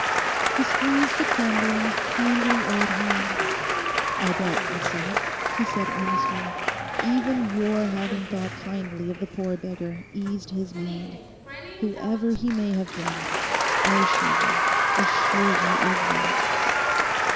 He squeezed the trembling, kindly old hand. 'I bet, Miss Sinnet,' he said earnestly, 'even your having thought kindly of the poor beggar eased his mind—whoever he may have been. I assure you, assure you of that.